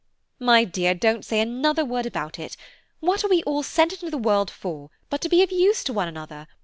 "My dear, don't say another word about it; what are we all sent into the world for, but to be of use to each other?